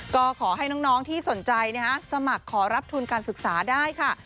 ก็ขอให้น้องที่สนใจสมัครขอรับทุนการศึกษาได้ค่ะ